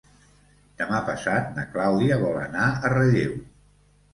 Demà passat na Clàudia vol anar a Relleu.